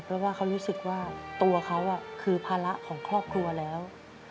เพราะว่าเขารู้สึกว่าตัวเขาคือภาระของครอบครัวแล้ว